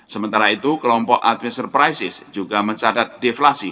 sementara itu kelompok adminster crisis juga mencatat deflasi